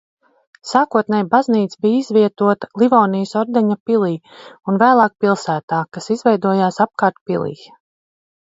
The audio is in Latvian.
Sākotnēji baznīca bija izvietota Livonijas ordeņa pilī un vēlāk pilsētā, kas izveidojās apkārt pilij.